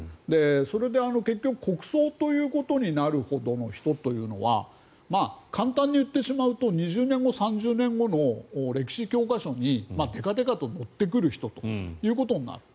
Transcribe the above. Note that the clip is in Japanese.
それで、結局国葬ということになるほどの人というのは簡単に言ってしまうと２０年後、３０年後の歴史教科書にでかでかと載ってくる人ということになる。